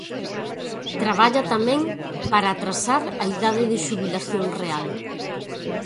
Traballa tamén para atrasar a idade de xubilación real.